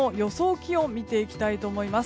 気温を見ていきたいと思います。